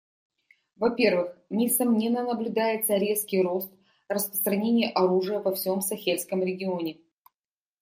Во-первых, несомненно, наблюдается резкий рост распространения оружия во всем Сахельском регионе.